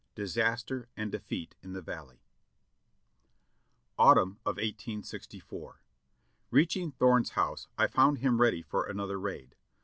DISASTER AND DEFEAT IN THE VALLEY. Autumn of 1864. Reaching Thome's house, I found him ready for another raid.